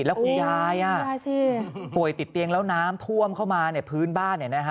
แล้วคุณยายป่วยติดเตียงแล้วน้ำท่วมเข้ามาในพื้นบ้าน